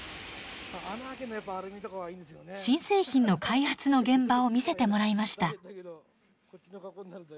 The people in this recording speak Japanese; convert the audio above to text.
新製品の開発の現場を見せてもらいました。